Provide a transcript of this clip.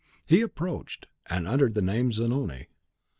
He approached, and uttered the name of Zanoni.